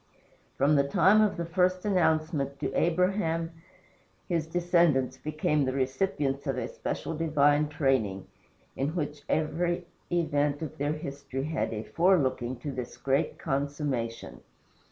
From the time of the first announcement to Abraham his descendants became the recipients of a special divine training, in which every event of their history had a forelooking to this great consummation.